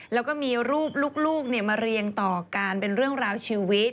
แล้วก็มีรูปลูกมาเรียงต่อการเป็นเรื่องราวชีวิต